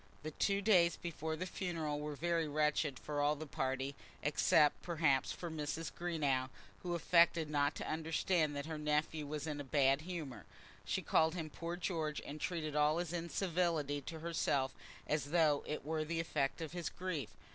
The two days before the funeral were very wretched for all the party, except, perhaps, for Mrs. Greenow, who affected not to understand that her nephew was in a bad humour. She called him "poor George," and treated all his incivility to herself as though it were the effect of his grief.